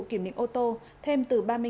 kiểm định ô tô thêm từ ba mươi